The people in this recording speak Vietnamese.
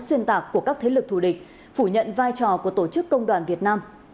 xuyên tạc của các thế lực thù địch phủ nhận vai trò của tổ chức công đoàn việt nam